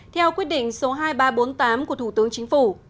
theo quyết định số hai nghìn ba trăm bốn mươi tám của thủ tướng chính phủ